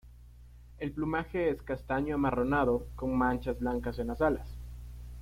El plumaje es castaño—amarronado, con manchas blancas en las alas.